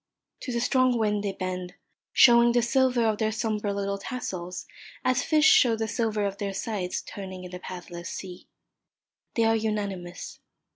To the strong wind they bend, showing the silver of their sombre little tassels as fish show the silver of their sides turning in the pathless sea. They are unanimous.